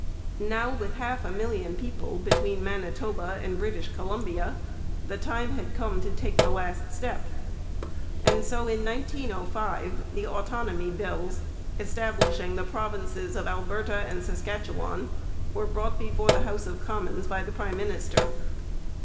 Now, with half a million people between Manitoba and British Columbia, the time had come to take the last step. And so in 1905 the Autonomy Bills, establishing the provinces of Alberta and Saskatchewan, were brought before the House of Commons by the prime minister.